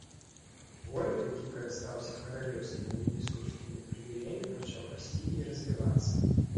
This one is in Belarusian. Горад, які карыстаўся каралеўскімі і біскупскімі прывілеямі, пачаў расці і развівацца.